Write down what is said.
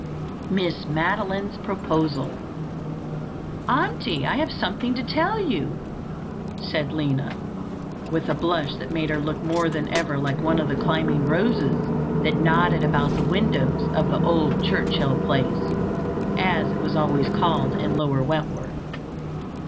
Miss Madeline's ProposalToC "Auntie, I have something to tell you," said Lina, with a blush that made her look more than ever like one of the climbing roses that nodded about the windows of the "old Churchill place," as it was always called in Lower Wentworth.